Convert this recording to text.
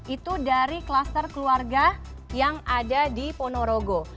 itu dari kluster keluarga yang ada di ponorogo